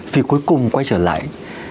vì cuối cùng quay trở lại